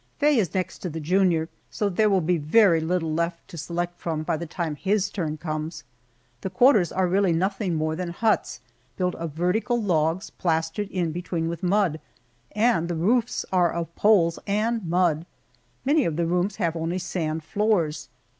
Faye is next to the junior, so there will be very little left to select from by the time his turn comes. The quarters are really nothing more than huts built of vertical logs plastered in between with mud, and the roofs are of poles and mud! Many of the rooms have only sand floors.